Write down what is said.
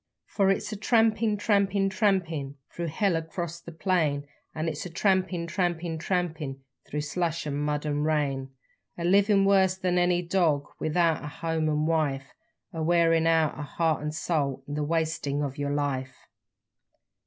_For it's trampin', trampin', tra a mpin' thro' hell across the plain, And it's trampin' trampin' tra a mpin' thro' slush 'n mud 'n rain A livin' worse than any dog without a home 'n wife, A wearin' out yer heart 'n soul in the wastin' of yer life.